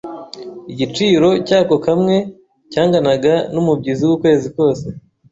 igiciro cyako kamwe cyanganaga n’umubyizi w’ukwezi kose.